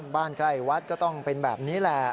ใกล้วัดก็ต้องเป็นแบบนี้แหละ